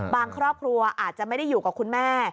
ครอบครัวอาจจะไม่ได้อยู่กับคุณแม่